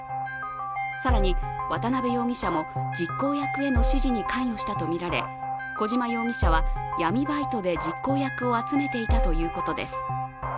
更に、渡辺容疑者も実行役への指示に関与したとみられ小島容疑者は、闇バイトで実行役を集めていたということです。